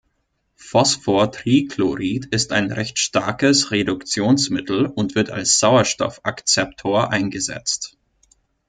Phosphortrichlorid ist ein recht starkes Reduktionsmittel und wird als Sauerstoff-Akzeptor eingesetzt.